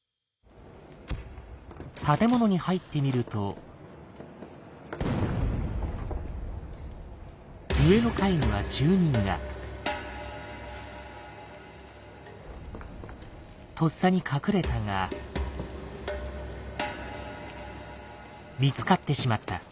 建物に入ってみるととっさに隠れたが見つかってしまった。